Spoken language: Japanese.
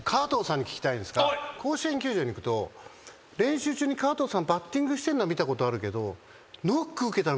甲子園球場に行くと練習中に川藤さんバッティングしてるのは見たことあるけど。